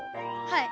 はい。